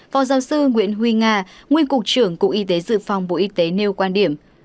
phó giáo sư nguyễn huy nga nguyên cục trưởng cục y tế dự phòng bộ y tế nêu quan điểm